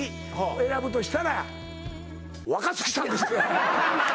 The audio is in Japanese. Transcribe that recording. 選ぶとしたら若槻さんです